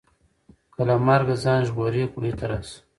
که له مرګه ځان ژغورې کوهي ته راسه